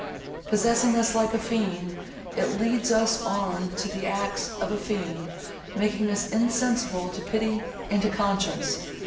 Possessing us like a fiend, it leads us on to the acts of a fiend, making us insensible to pity and to conscience.